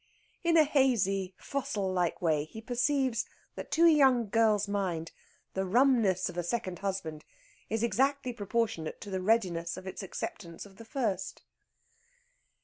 In a hazy, fossil like way he perceives that to a young girl's mind the "rumness" of a second husband is exactly proportionate to the readiness of its acceptance of the first.